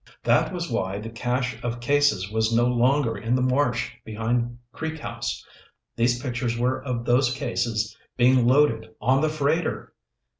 That was why the cache of cases was no longer in the marsh behind Creek House. These pictures were of those cases being loaded on the freighter!